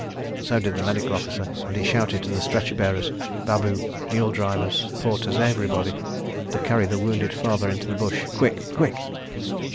.. So did the medical officer, and he shouted to the stretcher bearers, babu, mule drivers, porters, everybody, to carry the wounded farther into the bush—quick—quick.